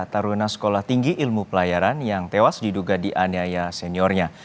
taruna sekolah tinggi ilmu pelayaran yang tewas diduga dianiaya seniornya